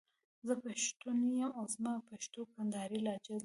زه پښتون يم او زما پښتو کندهارۍ لهجه ده.